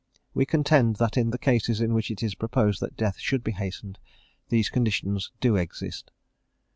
We contend that in the cases in which it is proposed that death should be hastened, these conditions do exist.